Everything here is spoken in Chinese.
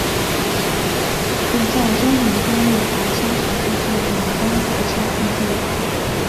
可在中横公路白沙桥附近远观白沙瀑布。